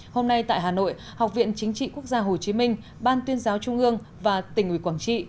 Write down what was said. hôm nay tại hà nội học viện chính trị quốc gia hồ chí minh ban tuyên giáo trung ương và tỉnh ủy quảng trị